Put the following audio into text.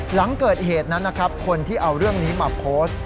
หลังเกิดเหตุนั้นนะครับคนที่เอาเรื่องนี้มาโพสต์